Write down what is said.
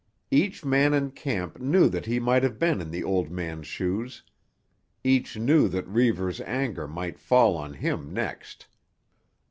Each man in camp knew that he might have been in the old man's shoes; each knew that Reivers' anger might fall on him next.